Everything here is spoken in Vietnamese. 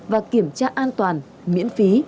và kiểm tra an toàn miễn phí